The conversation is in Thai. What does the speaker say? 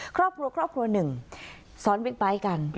ครอบครัวครอบครัวหนึ่งซ้อนบิ๊กไบท์กัน